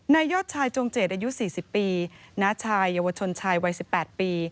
ยอดชายจงเจตอายุ๔๐ปีน้าชายเยาวชนชายวัย๑๘ปี